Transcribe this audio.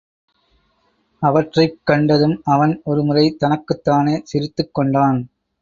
அவற்றைக் கண்டதும், அவன் ஒரு முறை தனக்குத் தானே சிரித்துக் கொண்டான்.